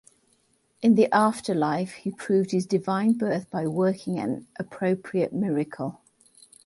In the afterlife he proved his divine birth by working an appropriate miracle.